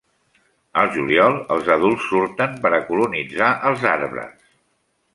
Al juliol els adults surten per a colonitzar els arbres.